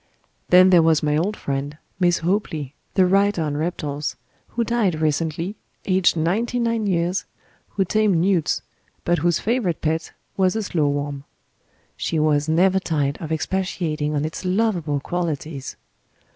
Then there was my old friend, Miss Hopely, the writer on reptiles, who died recently, aged 99 years, who tamed newts, but whose favourite pet was a slow worm. She was never tired of expatiating on its lovable qualities.